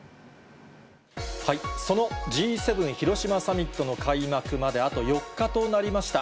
そのＧ７広島サミットの開幕まであと４日となりました。